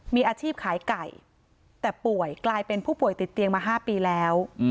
มีอาชีพขายไก่แต่ป่วยกลายเป็นผู้ป่วยติดเตียงมา๕ปีแล้ว